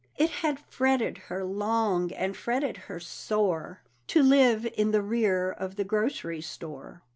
It had fretted her long and fretted her sore To live in the rear of the grocery store.